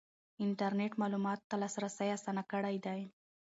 انټرنیټ معلوماتو ته لاسرسی اسانه کړی دی.